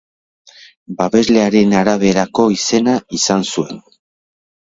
Babeslearen araberako izena izan zuen.